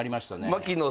牧野